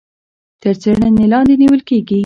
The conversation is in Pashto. تر څيړنې لاندي نيول کېږي.